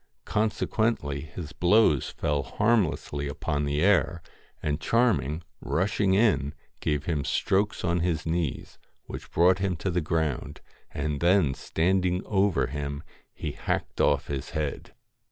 Consequently his blows fell harmlessly upon the air, and Charming, rushing in, gave him strokes on his knees, which brought him to the ground, and then standing over him, he hacked off his head.